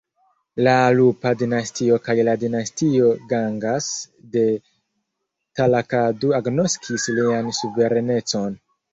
La Alupa dinastio kaj la dinastio Gangas de Talakadu agnoskis lian suverenecon.